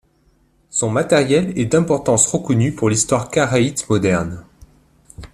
Son matériel est d'importance reconnue pour l'histoire karaïte moderne.